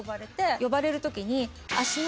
呼ばれる時に。